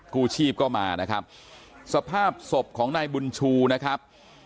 กู้ชีพก็มานะครับสภาพศพของนายบุญชูนะครับ